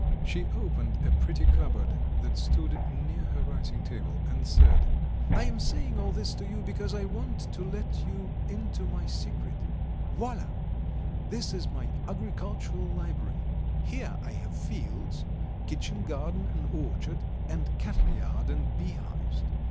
..." She opened a pretty cupboard that stood near her writing table, and said: "I am saying all this to you because I want to let you into my secret. Voilà! This is my agricultural library. Here I have fields, kitchen garden and orchard, and cattleyard and beehives.